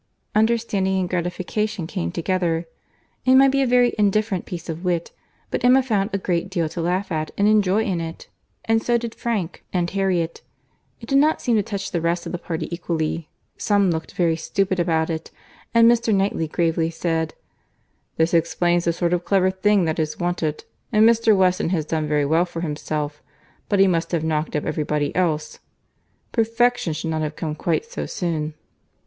Understanding and gratification came together. It might be a very indifferent piece of wit, but Emma found a great deal to laugh at and enjoy in it—and so did Frank and Harriet.—It did not seem to touch the rest of the party equally; some looked very stupid about it, and Mr. Knightley gravely said, "This explains the sort of clever thing that is wanted, and Mr. Weston has done very well for himself; but he must have knocked up every body else. Perfection should not have come quite so soon."